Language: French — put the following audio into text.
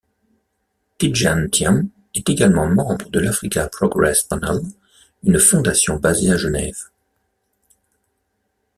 Tidjane Thiam est également membre de l'Africa Progress Panel, une fondation basée à Genève.